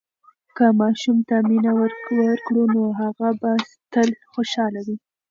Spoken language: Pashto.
که ماشوم ته مینه ورکړو، نو هغه به تل خوشحاله وي.